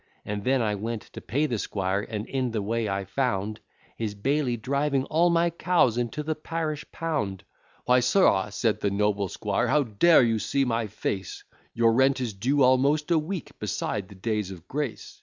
And then I went to pay the squire, and in the way I found, His bailie driving all my cows into the parish pound; "Why, sirrah," said the noble squire, "how dare you see my face, Your rent is due almost a week, beside the days of grace."